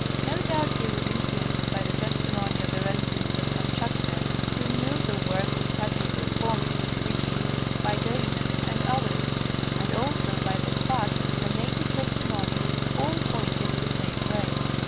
No doubt he was influenced by the testimony of the residents of Kamchatka who knew the work which had been performed in this region by Deshneff and others, and also by the fact that the native testimony all pointed the same way.